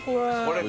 これ。